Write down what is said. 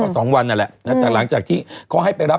ก็๒วันนั่นแหละหลังจากที่เขาให้ไปรับ